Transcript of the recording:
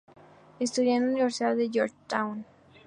Estudió en la Universidad de Georgetown.